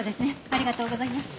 ありがとうございます。